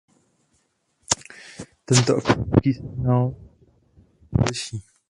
Tento akustický signál se však dle oblastí liší.